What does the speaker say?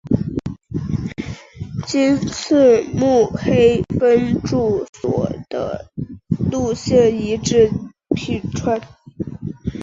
今次目黑分驻所的路线移至品川。